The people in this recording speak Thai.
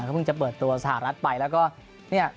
เขาเพิ่งจะเปิดตัวสหรัฐไปแล้วก็เนี่ย